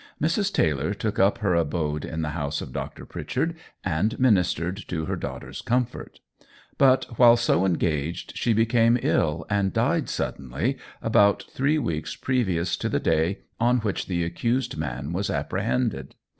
Mrs. Taylor took up her abode in the house of Dr. Pritchard, and ministered to her daughter's comfort; but while so engaged she became ill, and died suddenly, about three weeks previous to the day on which the accused man was apprehended.